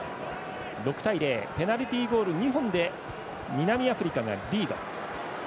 ペナルティゴール２本で南アフリカがリード。